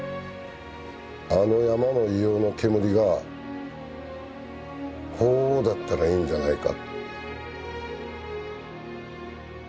あの山の硫黄の煙が鳳凰だったらいいんじゃないか。